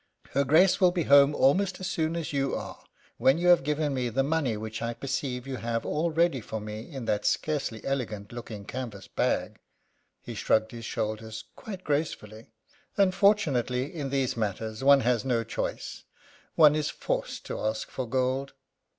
"Her Grace will be home almost as soon as you are when you have given me the money which I perceive you have all ready for me in that scarcely elegant looking canvas bag." He shrugged his shoulders quite gracefully. "Unfortunately, in these matters one has no choice one is forced to ask for gold."